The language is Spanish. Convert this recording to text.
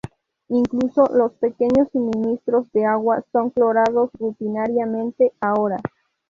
Incluso los pequeños suministros de agua son clorados rutinariamente ahora.